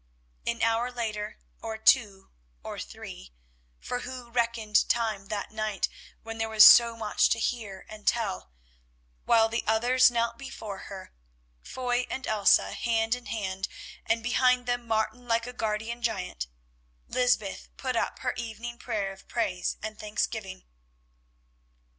An hour later, or two, or three, for who reckoned time that night when there was so much to hear and tell, while the others knelt before her, Foy and Elsa hand in hand, and behind them Martin like a guardian giant, Lysbeth put up her evening prayer of praise and thanksgiving.